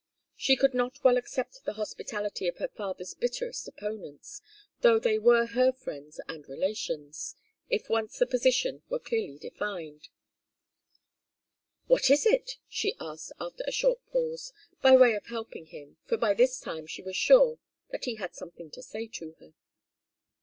She could not well accept the hospitality of her father's bitterest opponents, though they were her friends and relations, if once the position were clearly defined. "What is it?" she asked, after a short pause, by way of helping him, for by this time she was sure that he had something to say to her.